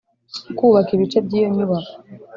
Kubaka ibice by iyo nyubako